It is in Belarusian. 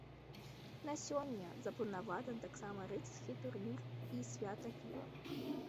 На сёння запланаваны таксама рыцарскі турнір і свята піва.